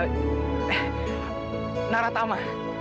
ini aku naratama